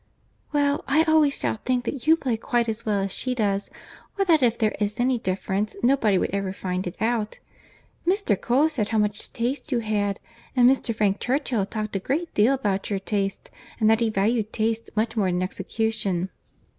"Well, I always shall think that you play quite as well as she does, or that if there is any difference nobody would ever find it out. Mr. Cole said how much taste you had; and Mr. Frank Churchill talked a great deal about your taste, and that he valued taste much more than execution."